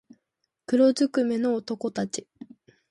黒づくめの男たち